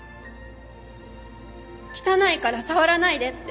「汚いから触らないで」って。